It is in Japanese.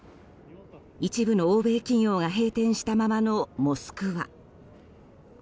一部の欧米企業が閉店したままのモスクワ。